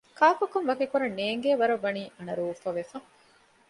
ކާކުކަން ވަކިކުރަން ނޭނގޭ ވަރަށް ވަނީ އަނަރޫފަ ވެފަ